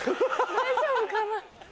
大丈夫かな？